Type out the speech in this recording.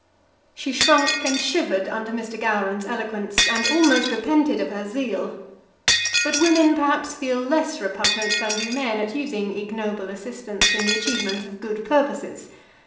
She shrunk and shivered under Mr. Gowran's eloquence, and almost repented of her zeal. But women, perhaps, feel less repugnance than do men at using ignoble assistance in the achievement of good purposes.